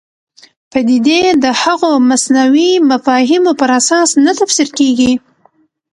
پدیدې د هغو مصنوعي مفاهیمو پر اساس نه تفسیر کېږي.